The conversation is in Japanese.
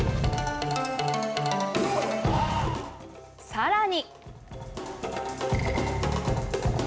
さらに。